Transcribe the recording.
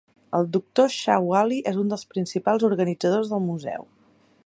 El doctor Shah Walie és un dels principals organitzadors del museu.